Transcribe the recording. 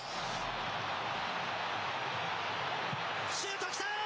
シュートきた！